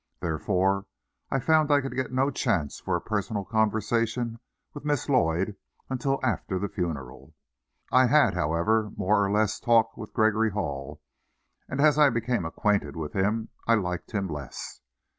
Therefore, I found I could get no chance for a personal conversation with Miss Lloyd until after the funeral. I had, however, more or less talk with Gregory Hall, and as I became acquainted with him, I liked him less.